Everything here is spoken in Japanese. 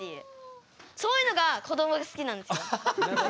そういうのがこどもが好きなんですよ。